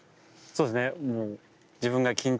そうですね。